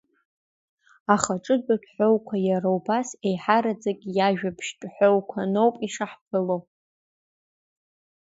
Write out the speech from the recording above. Ахаҿыдатә ҳәоуқәа иара убас еиҳараӡак иажәабжьтә ҳәоуқәаноуп ишаҳԥыло.